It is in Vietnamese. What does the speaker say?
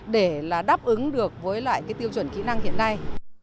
để là đáp ứng được với lại cái tiêu chuẩn kỹ năng hiện nay